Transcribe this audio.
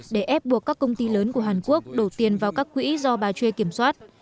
để ép buộc các công ty lớn của hàn quốc đổ tiền vào các quỹ do bà chuyên kiểm soát